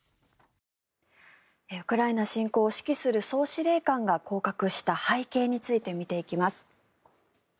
ウクライナ侵攻を指揮する総司令官が降格した背景について見ていきます。